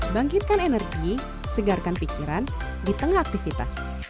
bangkitkan energi segarkan pikiran di tengah aktivitas